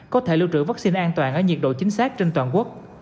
có thể lưu trữ vaccine an toàn ở nhiệt độ chính xác trên toàn quốc